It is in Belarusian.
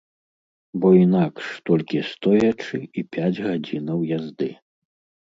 Бо інакш толькі стоячы і пяць гадзінаў язды.